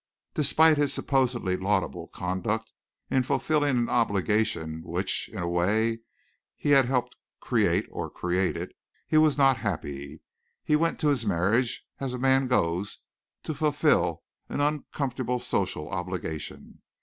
Despite his supposedly laudable conduct in fulfilling an obligation which, in a way, he had helped create or created, he was not happy. He went to his marriage as a man goes to fulfil an uncomfortable social obligation.